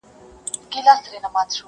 د فتوحاتو یرغلونو او جنګونو کیسې،